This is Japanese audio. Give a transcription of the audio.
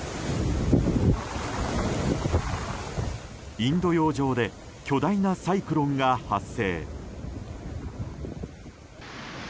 インド洋上で巨大なサイクロンが発生。